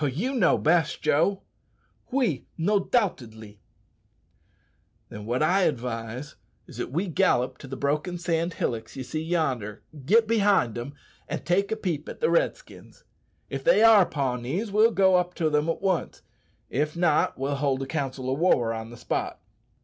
"You know best, Joe." "Oui, nodoubtedly.' "Then wot I advise is that we gallop to the broken sand hillocks ye see yonder, get behind them, an' take a peep at the Redskins. If they are Pawnees, we'll go up to them at once; if not, we'll hold a council o' war on the spot."